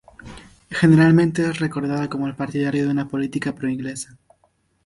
Generalmente es recordado como el partidario de una política pro-inglesa.